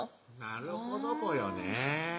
なるほどぽよね